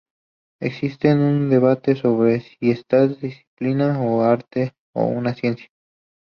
Existe un debate sobre si esta disciplina es un arte o una ciencia.